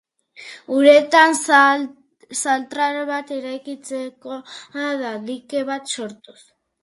Uretan zentral bat eraikitzen da dike bat sortuz.